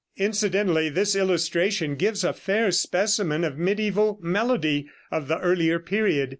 Incidentally this illustration gives a fair specimen of mediæval melody of the earlier period.